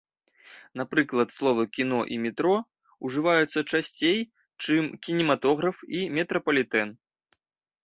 Напрыклад словы кіно і метро ўжываюцца часцей, чым кінематограф і метрапалітэн.